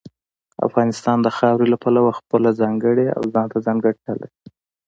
افغانستان د خاورې له پلوه خپله ځانګړې او ځانته ځانګړتیا لري.